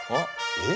えっ？